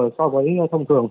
so với thông thường